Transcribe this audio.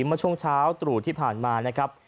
เมื่อช่วงเช้าตรู่ที่ผ่านมานะครับ